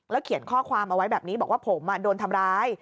เขียนข้อความเอาไว้แบบนี้บอกว่าผมโดนทำร้าย